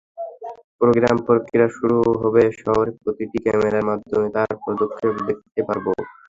Programme প্রক্রিয়া শুরু হবে শহরের প্রতিটি ক্যামেরার মাধ্যমে তার পদক্ষেপ দেখতে পারবো।